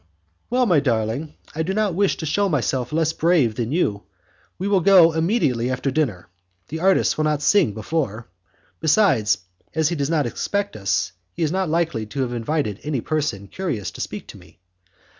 "Well, darling, I do not want to shew myself less brave than you. We will go immediately after dinner. The artists will not sing before. Besides, as he does not expect us, he is not likely to have invited any person curious to speak to me.